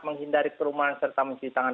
menghindari kerumahan serta mencuci tangan